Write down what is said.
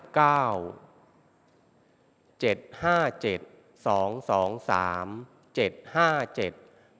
ออกทางวันที่๕ครั้งที่๕๙